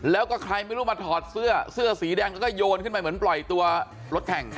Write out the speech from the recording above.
แล้วก็ใครไม่รู้มาถอดเสื้อเสื้อสีแดงแล้วก็โยนขึ้นไปเหมือนปล่อยตัวรถแข่ง